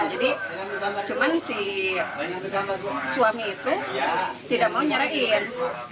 jadi cuman si suami itu tidak mau nyerahin